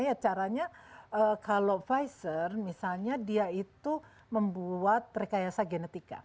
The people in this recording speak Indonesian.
ya caranya kalau pfizer misalnya dia itu membuat rekayasa genetika